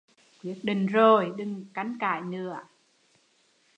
Quyết định rồi, đừng canh cải nữa